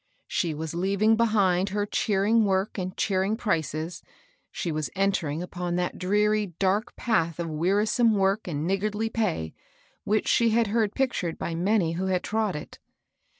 She was leaving behind her cheering work and cheering prices; she was entering upon that dreary, dark path of wearisome work and nig A SEARCH FOB WORK. 89 gardly pay, which she had heard pictured by many who bad trod it.